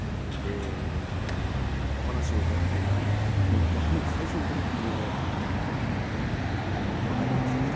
お話を伺っている間に幕内最初の取組を行います